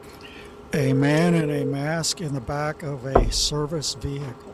A man in a mask in the back of a service vehicle